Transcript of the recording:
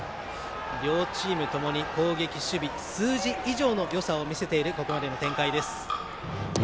両チームともに攻撃守備数字以上のよさを見せているここまでの展開です。